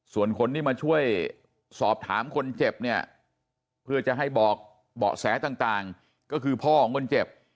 ส่วนคนที่มาช่วยสอบถามคนเจ็บเนี่ยเพื่อจะให้บอกเบาะแสต่างก็คือพ่อของคนเจ็บ